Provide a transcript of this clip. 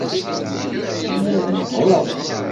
Lliɣ nehhṛeɣ.